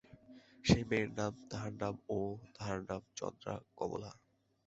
সেই মেয়ের নাম–তাহার নাম–ওঃ, তাহার নাম চন্দ্রা- কমলা।